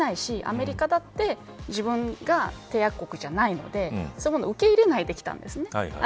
そもそもできないしアメリカも自分が締約国じゃないのでそういうものを受け入れないで、きたんです。